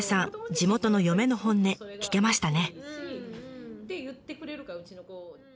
地元の嫁の本音聞けましたね。